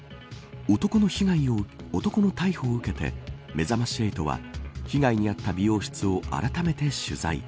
男の逮捕を受けてめざまし８は被害に遭った美容室をあらためて取材。